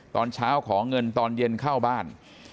ตอนเช้าขอเงินตอนเย็นเข้าบ้าน